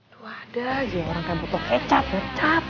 tuh ada aja orang kaya butuh kecap ngecap